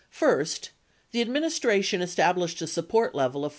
First, the administration established a support level of $4.